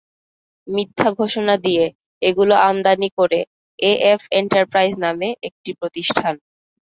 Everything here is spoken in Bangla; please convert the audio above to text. মিথ্যা ঘোষণা দিয়ে এগুলো আমদানি করে এএফ এন্টারপ্রাইজ নামে একটি প্রতিষ্ঠান।